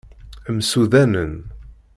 Msudanen.